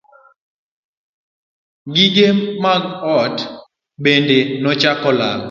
Gige mag ot bende nochako lal.